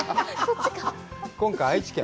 今回、愛知県？